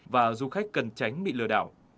và du khách cần tránh bị lừa đảo